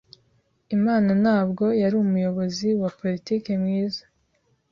Impano ntabwo yari umuyobozi wa politiki mwiza.